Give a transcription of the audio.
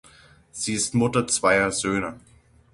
Sie ist Mutter zweier Söhne.